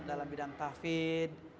dalam bidang tafid